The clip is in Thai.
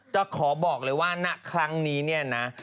จะขอบอกเลยว่าณครั้งนี้เนี่ยนะ